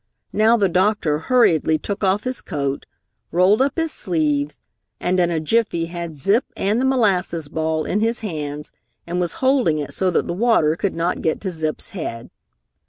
Now the doctor hurriedly took off his coat, rolled up his sleeves, and in a jiffy had Zip and the molasses ball in his hands and was holding it so that the water could not get to Zip's head.